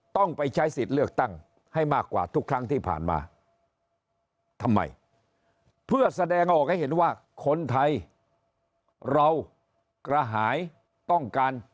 ต้องไปใช้สิทธิ์เลือกตั้ง